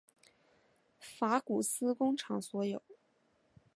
法古斯工厂所有。